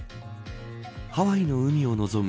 ハワイの海を望む